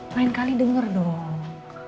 lain kali denger dong